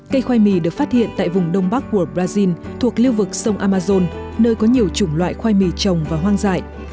cây khoai mì được phát hiện tại vùng đông bắc của brazil thuộc lưu vực sông amazon nơi có nhiều chủng loại khoai mì trồng và hoang dại